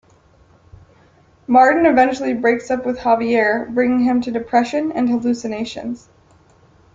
Martine eventually breaks up with Xavier, bringing him to depression and hallucinations.